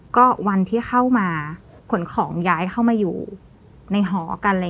ก็วันที่เข้ามาขนของย้ายเข้ามาอยู่ในหอกัน